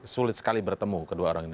sulit sekali bertemu kedua orang ini